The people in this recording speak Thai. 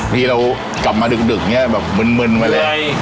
ทีเรากลับมาดึกอย่างงี้แบบเมินมาเลย